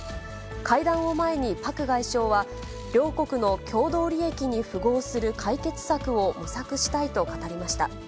会談を前にパク外相は、両国の共同利益に符合する解決策を模索したいと語りました。